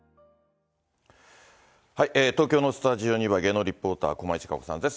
東京のスタジオには芸能リポーター、駒井千佳子さんです。